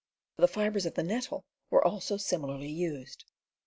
The fibers of the nettle were also sim ilarly used.